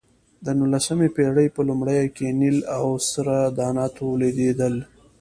د نولسمې پېړۍ په لومړیو کې نیل او سره دانه تولیدېدل.